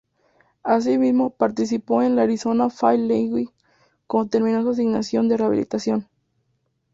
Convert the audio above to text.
Asimismo, participó en la Arizona Fall League cuando terminó su asignación de rehabilitación.